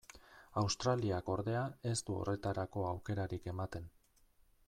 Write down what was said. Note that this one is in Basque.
Australiak, ordea, ez du horretarako aukerarik ematen.